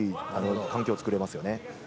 環境を作れますよね。